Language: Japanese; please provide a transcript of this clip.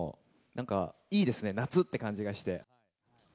なんかいいですね、夏って感じがして。